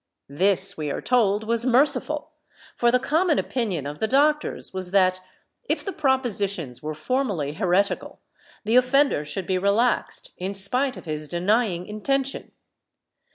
This, we are told, was merciful, for the common opinion of the doctors was that, if the propositions were formally heretical, the offender should be relaxed, in spite of his denying intention.